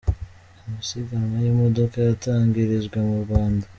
Amasiganwa y’imodoka yatangirijwe mu Rwanda